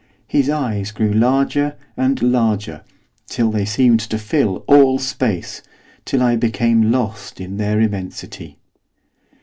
His eyes grew larger and larger, till they seemed to fill all space till I became lost in their immensity.